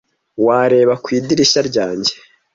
wareba ku idirishya ryanjye